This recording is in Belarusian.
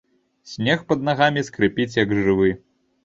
Снег пад нагамі скрыпіць, як жывы.